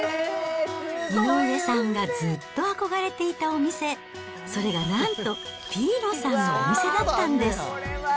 井上さんがずっと憧れていたお店、それがなんとピーノさんのお店だったんです。